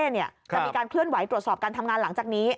จะมีการเคลื่อนไหวตรวจสอบการทำงานหลังจากนี้